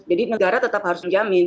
jadi negara tetap harus menjamin